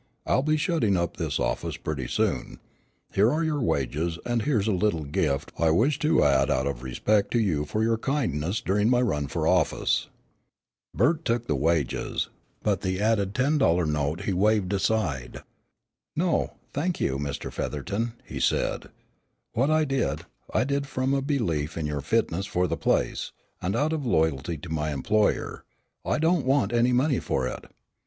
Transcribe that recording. I'll be shutting up this office pretty soon. Here are your wages and here is a little gift I wish to add out of respect to you for your kindness during my run for office." Bert took the wages, but the added ten dollar note he waved aside. "No, I thank you, Mr. Featherton," he said, "what I did, I did from a belief in your fitness for the place, and out of loyalty to my employer. I don't want any money for it."